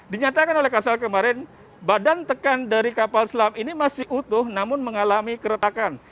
dinyatakan oleh kasal kemarin badan tekan dari kapal selam ini masih utuh namun mengalami keretakan